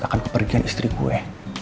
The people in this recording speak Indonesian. akan kepergian istri gue